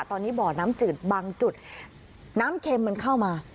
ตอนนี้บ่อน้ำจืดบางจุดน้ำเค็มมันเข้ามา